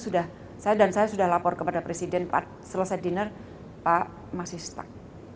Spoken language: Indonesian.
dan saya sudah lapor kepada presiden selesai diner pak masih stuck